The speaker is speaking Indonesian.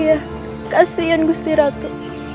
iya kasihan ustilatu